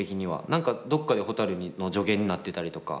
何かどっかでほたるの助言になってたりとか